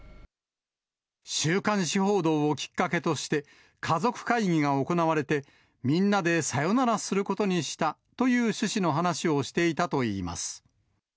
週刊誌報道をきっかけとして、家族会議が行われて、みんなでさよならすることにしたという趣旨の話をしていたといいます。